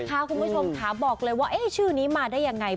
นักค้าคุณผู้ชมถามบอกเลยว่าชื่อนี้มาได้ยังไง